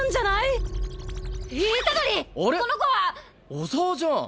小沢じゃん。